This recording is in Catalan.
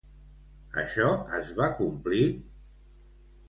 Això es va complir?